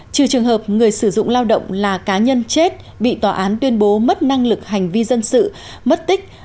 trừ trường hợp người sử dụng lao động là cá nhân chết bị tòa án tuyên bố mất năng lực hành vi dân sự mất tích